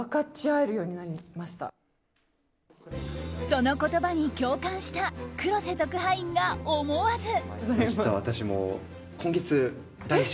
その言葉に共感した黒瀬特派員が、思わず。